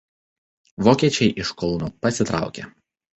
Vokiečiai iš Kauno pasitraukė.